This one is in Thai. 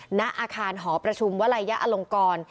หน้าอาคารหอประชุมวลัยยะอลงกร